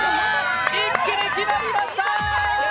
一気に決まりました。